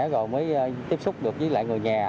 rồi mới tiếp xúc được với lại người nhà